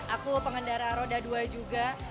aku pengendara roda dua juga